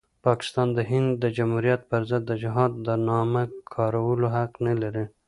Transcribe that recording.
پاکستان د هند د جمهوریت پرضد د جهاد د نامه کارولو حق نلري.